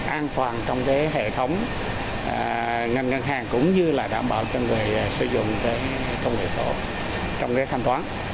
an toàn trong hệ thống ngân hàng cũng như đảm bảo cho người sử dụng công việc sử dụng thanh toán